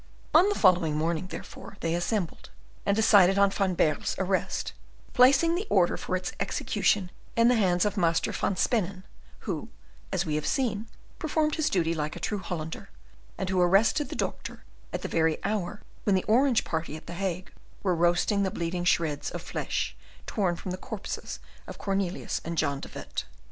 On the following morning, therefore, they assembled, and decided on Van Baerle's arrest, placing the order for its execution in the hands of Master van Spennen, who, as we have seen, performed his duty like a true Hollander, and who arrested the Doctor at the very hour when the Orange party at the Hague were roasting the bleeding shreds of flesh torn from the corpses of Cornelius and John de Witt.